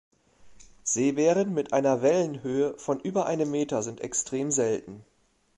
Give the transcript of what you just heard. Seebären mit einer Wellenhöhe von über einem Meter sind extrem selten.